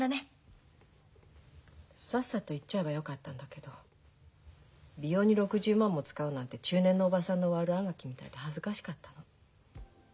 さっさと言っちゃえばよかったんだけど美容に６０万も使うなんて中年のおばさんの悪あがきみたいで恥ずかしかったの。